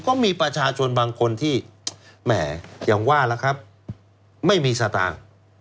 ก็มีประชาชนบางคนที่แหมอย่างว่าล่ะครับไม่มีสตางค์